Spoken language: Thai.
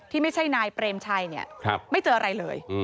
ที่ไม่ใช่นายเปรมชัยเนี่ยไม่เจออะไรเลย